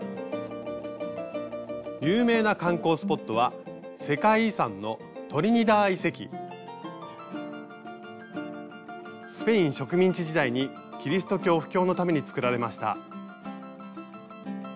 有名な観光スポットは世界遺産のスペイン植民地時代にキリスト教布教のためにつくられました。